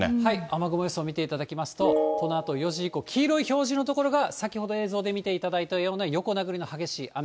雨雲予想を見ていただきますと、このあと４時以降、黄色い表示の所が、先ほど映像で見ていただいたような横殴りの激しい雨。